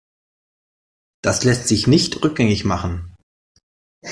Das lässt sich nicht rückgängig machen.